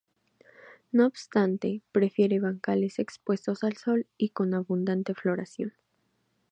No obstante, prefiere bancales expuestos al sol y con abundante floración.